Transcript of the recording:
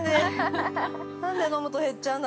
◆なんで飲むと減っちゃうんだ